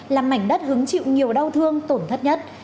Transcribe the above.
là mảnh đất hứng chịu nhiều đau thương tổn thất nhất